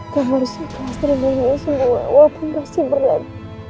kamu harus terima semua walaupun pasti berat